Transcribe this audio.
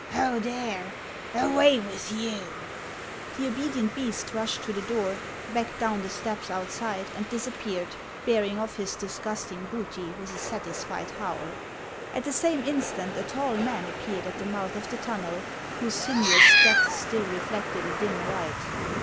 Ho there ! Away with you !" The obedient beast rushed to the door, backed down the steps outside, and disappeared, bearing off his disgusting booty with a satisfied howl. At the same instant a tall man appeared at the mouth of the tunnel, whose sinuous depths still reflected a dim light.